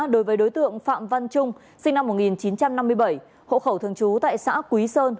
đối với đối tượng phạm văn trung sinh năm một nghìn chín trăm năm mươi bảy hộ khẩu thường trú tại xã quý sơn